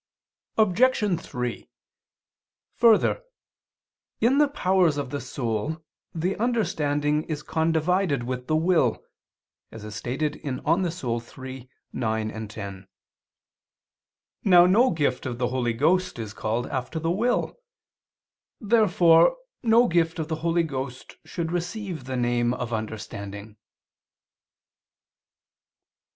Obj. 3: Further, in the powers of the soul the understanding is condivided with the will (De Anima iii, 9, 10). Now no gift of the Holy Ghost is called after the will. Therefore no gift of the Holy Ghost should receive the name of understanding.